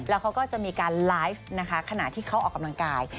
แล้วเขาก็จะมีการไลฟ์นะคะขณะที่เขาออกกำลังกาย